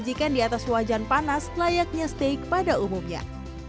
sajikan di atas wajan panas layaknya steak pada umumnya